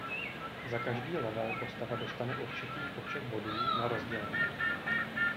Za každý level postava dostane určitý počet bodů na rozdělení.